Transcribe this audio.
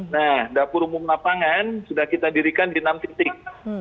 nah dapur umum lapangan sudah kita dirikan di enam titik